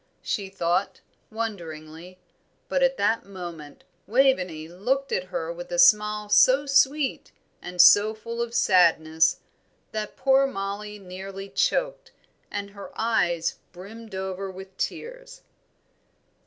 she thought, wonderingly; but at that moment Waveney looked at her with a smile so sweet and so full of sadness, that poor Mollie nearly choked, and her eyes brimmed over with tears.